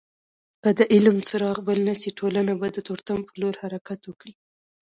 که د علم څراغ بل نسي ټولنه به د تورتم په لور حرکت وکړي.